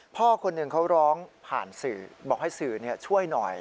พ่อคนหนึ่งเขาร้องผ่านสื่อบอกให้สื่อช่วยหน่อย